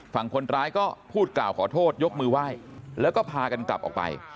ฝั่งคนร้ายก็พูดกล่าวขอโทษยกมือไหว้แล้วก็พากันกลับออกไป